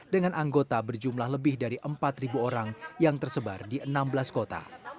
dengan anggota berjumlah lebih dari empat orang yang tersebar di enam belas kota